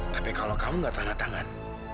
tapi kalau kamu gak tahan tangan